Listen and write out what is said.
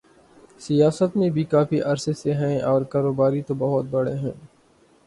سیاست میں بھی کافی عرصے سے ہیں اور کاروباری تو بہت بڑے ہیں۔